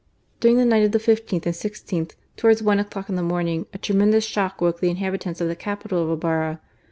During the night of the 15th and i6th, towards one o'clock in the morning, a tremendous shock woke the inhabitants of the capital of Ibarra.